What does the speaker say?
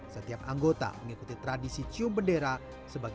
setiap anggota mengikuti tradisi cium bendera sebagai